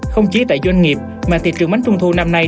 không chỉ tại doanh nghiệp mà thị trường bánh trung thu năm nay